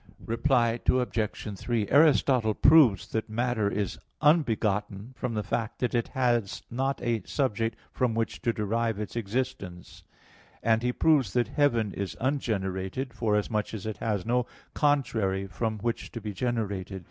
Reply Obj. 3: Aristotle (Phys. i, text 82) proves that matter is unbegotten from the fact that it has not a subject from which to derive its existence; and (De Coelo et Mundo i, text 20) he proves that heaven is ungenerated, forasmuch as it has no contrary from which to be generated.